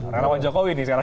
rangawan jokowi nih sekarang